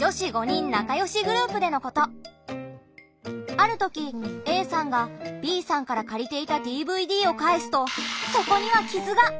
ある時ＡさんがＢさんからかりていたＤＶＤをかえすとそこには傷が！